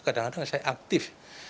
kadang kadang saya aktif